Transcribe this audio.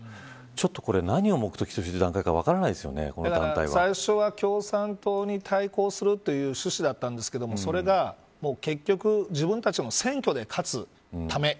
ちょっとこれは何を目的として最初は、共産党に対抗するという趣旨だったんですけどそれが結局自分たちの選挙で勝つため。